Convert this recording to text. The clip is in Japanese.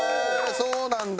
そうなんだ。